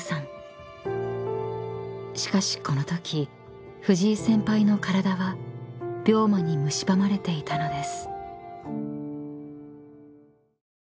［しかしこのとき藤井先輩の体は病魔にむしばまれていたのです］